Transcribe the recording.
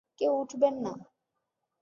কেউ উঠবেন না!